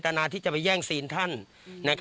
ปู่มหาหมุนีบอกว่าตัวเองอสูญที่นี้ไม่เป็นไรหรอก